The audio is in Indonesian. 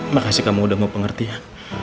makasih kamu udah ngepengerti ya